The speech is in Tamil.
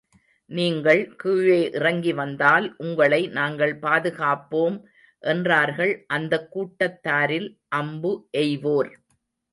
நீங்கள் கீழே இறங்கி வந்தால், உங்களை நாங்கள் பாதுகாப்போம் என்றார்கள் அந்தக் கூட்டத்தாரில் அம்பு எய்வோர்.